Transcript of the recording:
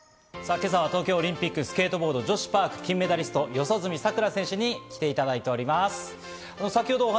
今朝は東京オリンピックスケートボード女子パーク金メダリスト四十住さくら選手に来ていただいています。